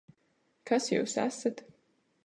Kas jūs esat?